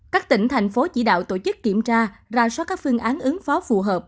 các tỉnh thành phố chỉ đạo tổ chức kiểm tra ra soát các phương án ứng phó phù hợp